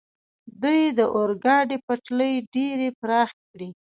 دوی د اورګاډي پټلۍ ډېرې پراخې کړې.